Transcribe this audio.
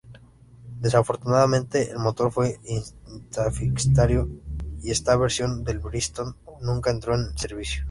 Desafortunadamente, el motor fue insatisfactorio y esta versión del Bristol nunca entró en servicio.